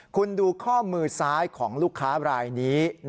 คุณดูข้อมือซ้ายของลูกค้ารายนี้